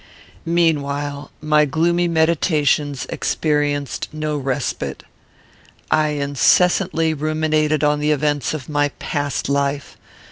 "Meanwhile, my gloomy meditations experienced no respite. I incessantly ruminated on the events of my past life.